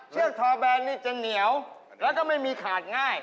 เชือกทอแบนนี่จะเหนียวแล้วก็ไม่มีขาดง่าย